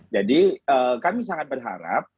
jadi kami sangat berharap